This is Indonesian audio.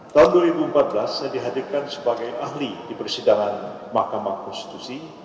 tahun dua ribu empat belas saya dihadirkan sebagai ahli di persidangan mahkamah konstitusi